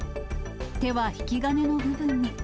手は引き金の部分に。